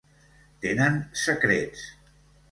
Tenen secrets.